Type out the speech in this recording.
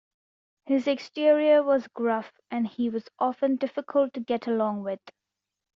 His exterior was gruff and he was often difficult to get along with.